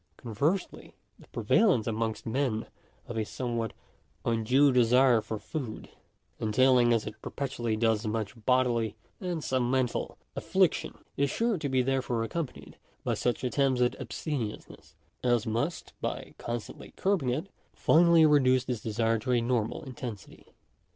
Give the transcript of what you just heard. Conversely, the prevalence amongst men of a somewhat undue desire foi food, entailing as it perpetually does much bodily, and some mental, affliction, is sure to be therefore accompanied by suck attempts at abstemiousness, as must, by constantly curbing it, finally reduce this desire to a normal intensity •.